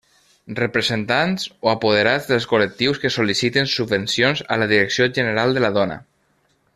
Representants o apoderats dels col·lectius que sol·liciten subvencions a la Direcció General de la Dona.